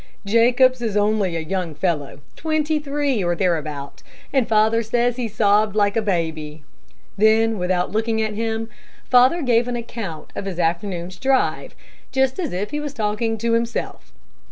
"Jacobs is only a young fellow, twenty three or thereabout, and father says he sobbed like a baby. Then, without looking at him, father gave an account of his afternoon's drive, just as if he was talking to himself.